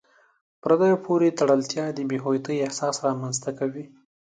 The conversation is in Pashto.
پردیو پورې تړلتیا د بې هویتۍ احساس رامنځته کوي.